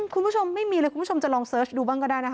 คุณผู้ชมไม่มีเลยคุณผู้ชมจะลองเสิร์ชดูบ้างก็ได้นะคะ